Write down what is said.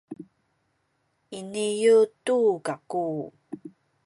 iniyu tu kaku